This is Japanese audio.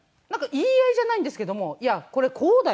言い合いじゃないんですけども「いやこれこうだよ」